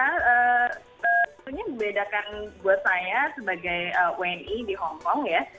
tentunya membedakan buat saya sebagai wni di hongkong ya